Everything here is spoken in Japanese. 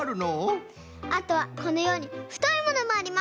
あとはこのようにふといものもあります。